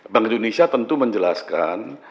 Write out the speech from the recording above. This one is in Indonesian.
bank indonesia tentu menjelaskan